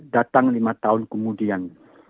datang lima tahun kemudian